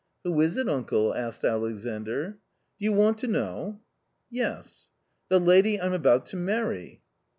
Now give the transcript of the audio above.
" Who is it, uncle ?" asked Alexandr. " Do you want to know ?"" Yes." " The lady I'm about to marry